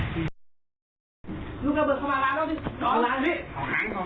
กลุ่มน้ำเบิร์ดเข้ามาร้านแล้ว